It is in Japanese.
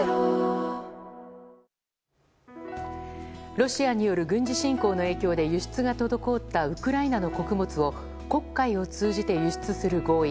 ロシアによる軍事侵攻の影響で輸出が滞ったウクライナの穀物を黒海を通じて輸出する合意